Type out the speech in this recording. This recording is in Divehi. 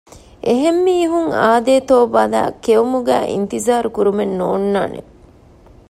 އެހެން މީހުން އާދޭތޯ ބަލައި ކެއުމުގައި އިންތިޒާރު ކުރުމެއް ނޯންނާނެ